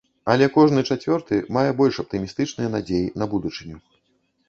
Але кожны чацвёрты мае больш аптымістычныя надзеі на будучыню.